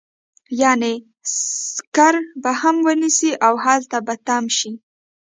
يعنې سکر به هم ونيسي او هلته به تم شي.